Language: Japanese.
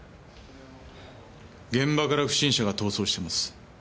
現場から不審者が逃走してます。